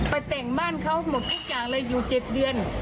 แต่งบ้านเขาหมดทุกอย่างเลยอยู่๗เดือน